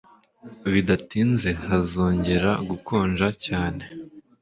Bidatinze, hazongera gukonja cyane.